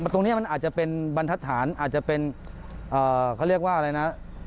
ตรงนี้มันอาจจะเป็นบรรทัศน์อาจจะเป็นเขาเรียกว่าอะไรนะ